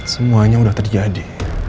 semuanya udah terjadi